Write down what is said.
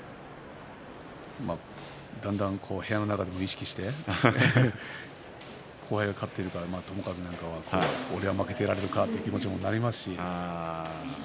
だんだん部屋の中でも意識して後輩が勝っているから俺も負けていられるかという気持ちにもなりますし。